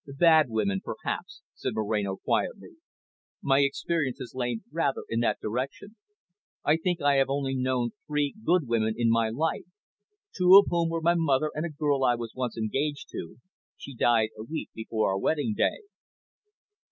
"Bad women perhaps," said Moreno quietly. "My experience has lain rather in their direction. I think I have only known three good women in my life, two of whom were my mother and a girl I was once engaged to she died a week before our wedding day."